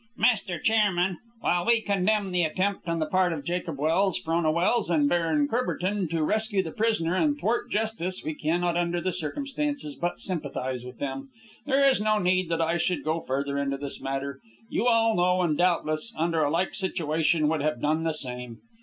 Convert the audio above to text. "Mr. Chairman, while we condemn the attempt on the part of Jacob Welse, Frona Welse, and Baron Courbertin to rescue the prisoner and thwart justice, we cannot, under the circumstances, but sympathize with them. There is no need that I should go further into this matter. You all know, and doubtless, under a like situation, would have done the same.